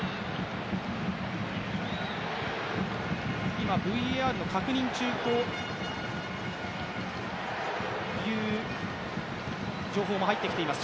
今、ＶＡＲの確認中という情報も入ってきています。